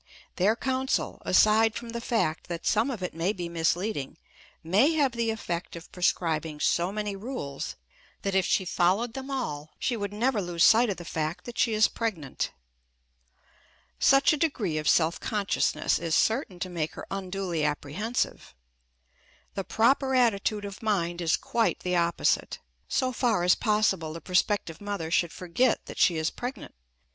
Their counsel, aside from the fact that some of it may be misleading, may have the effect of prescribing so many rules that, if she followed them all, she would never lose sight of the fact that she is pregnant. Such a degree of self consciousness is certain to make her unduly apprehensive. The proper attitude of mind is quite the opposite; so far as possible the prospective mother should forget that she is pregnant.